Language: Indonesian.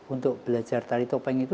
untuk belajar tari topeng itu